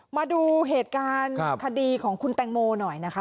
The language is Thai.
มาดูเหตุการณ์คดีของคุณแตงโมหน่อยนะคะ